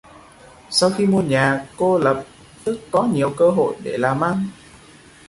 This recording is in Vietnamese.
Sau khi mua nhà cô lập tức có nhiều cơ hội để làm ăn